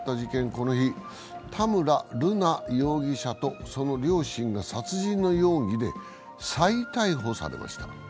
この日、田村瑠奈容疑者とその両親が殺人の容疑で再逮捕されました。